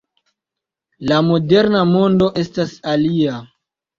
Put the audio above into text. La moderna mondo estas alia.